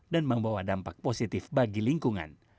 dan membawa dampak positif bagi lingkungan